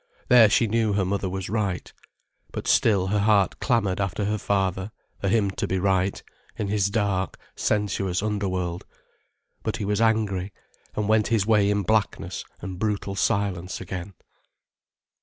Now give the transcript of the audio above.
There she knew her mother was right. But still her heart clamoured after her father, for him to be right, in his dark, sensuous underworld. But he was angry, and went his way in blackness and brutal silence again.